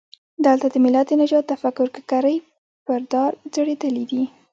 دلته د ملت د نجات تفکر ککرۍ پر دار ځړېدلي دي.